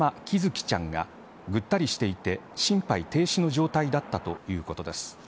生ちゃんがぐったりしていて心肺停止の状態だったということです。